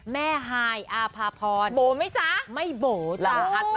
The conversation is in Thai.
แม่ฮายอาภาพรโบ๋มั้ยจ๊ะไม่โบ๋จ๊ะ